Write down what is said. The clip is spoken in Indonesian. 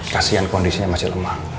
kasihan kondisinya masih lemah